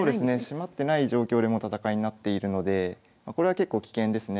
閉まってない状況でもう戦いになっているのでこれは結構危険ですね。